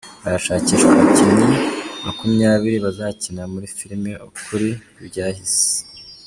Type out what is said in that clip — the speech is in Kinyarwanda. Harashakishwa abakinnyi makumyabiri bazakina muri filime “Ukuri kw’ibyahise”